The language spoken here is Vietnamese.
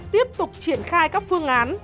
tiếp tục triển khai các phương án